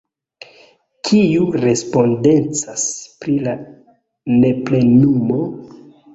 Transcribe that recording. Kiu respondecas pri la neplenumo?